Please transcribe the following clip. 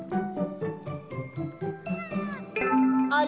あれ？